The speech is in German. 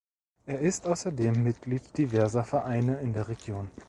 Er ist ausserdem Mitglied diverser Vereine in der Region.